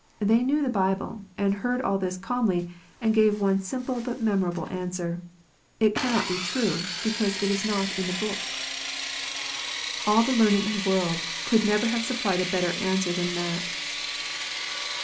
They knew the Bible, and heard all this calmly, and gave one simple but memorable answer :" It cannot be true, because it is not in the Book" All the learning in the world could never have supplied a better answer than that.